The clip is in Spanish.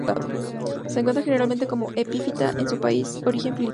Se encuentra generalmente como epífita en su país de origen filipino.